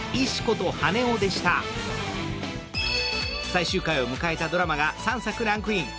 最終回を迎えたドラマが３作ランクイン。